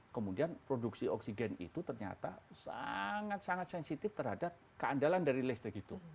kemudian produksi oksigen itu ternyata sangat sangat sensitif terhadap keandalan dari listrik itu